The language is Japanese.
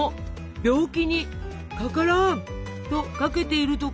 病気に「かからん！」とかけているとか。